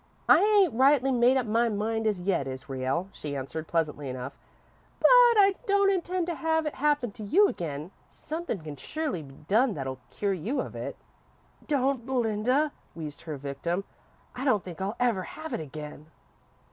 "I ain't rightly made up my mind as yet, Israel," she answered, pleasantly enough, "but I don't intend to have it happen to you again. Sunthin' can surely be done that'll cure you of it." "Don't, Belinda," wheezed her victim; "I don't think I'll ever have it again."